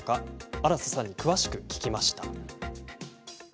荒瀬さんに詳しく聞きました。